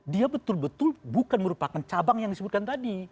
dia betul betul bukan merupakan cabang yang disebutkan tadi